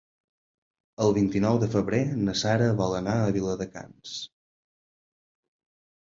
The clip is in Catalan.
El vint-i-nou de febrer na Sara vol anar a Viladecans.